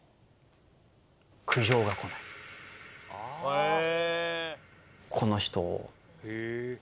へえ！